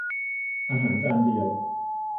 อาหารจานเดียว